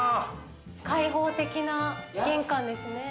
開放的な玄関ですね。